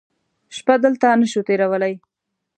شپه دلته نه شو تېرولی.